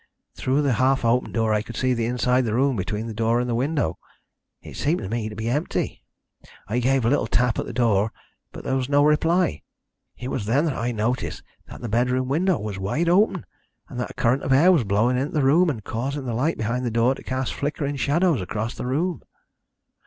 Through the half open door I could see the inside of the room between the door and the window. It seemed to me to be empty. I gave a little tap at the door, but there was no reply. It was then I noticed that the bedroom window was wide open, and that a current of air was blowing into the room and causing the light behind the door to cast flickering shadows across the room.